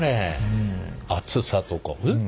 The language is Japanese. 厚さとかえっ？